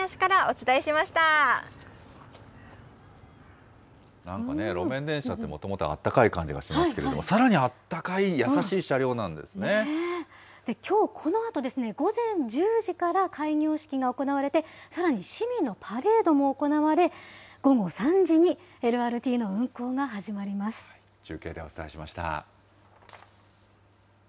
ここまで宇都宮市からお伝えしまなんかね、路面電車って、もともと温かい感じがしますけれども、さらにあったかい優しい車両きょう、このあと午前１０時から開業式が行われて、さらに市民のパレードも行われ、午後３時中継でお伝えしました。